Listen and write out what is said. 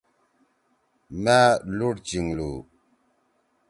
مأ لُوڑ چِنگلُو